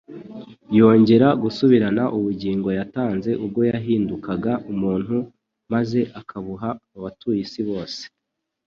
Yongera gusubirana ubugingo yatanze ubwo yahindukaga umuntu maze akabuha abatuye isi bose.